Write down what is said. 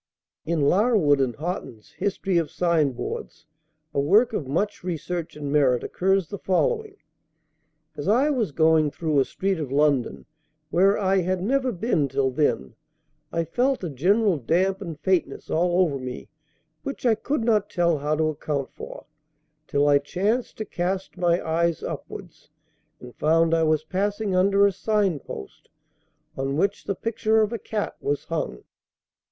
In Larwood and Hotten's "History of Sign boards," a work of much research and merit, occurs the following: "As I was going through a street of London where I had never been till then, I felt a general damp and faintness all over me which I could not tell how to account for, till I chanced to cast my eyes upwards, and found I was passing under a sign post on which the picture of a cat was hung."